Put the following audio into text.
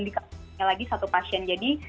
di kamarnya lagi satu pasien jadi